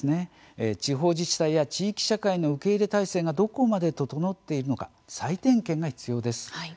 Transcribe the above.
地方自治体や地域社会の受け入れ態勢がどこまで整っているのか再点検が必要です。